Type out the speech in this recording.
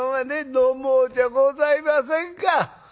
飲もうじゃございませんか」。